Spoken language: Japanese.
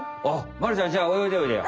まるちゃんじゃあおよいでおいでよ。